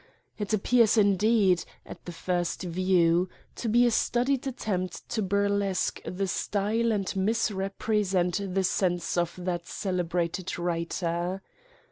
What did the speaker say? It appears indeed, at the first view^ to be a studied attempt to burlesque the style and mis represent the sense of that celebrated writer.